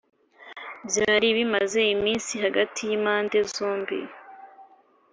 byari bimaze iminsi hagati y’impande zombi